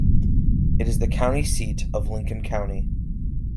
It is the county seat of Lincoln County.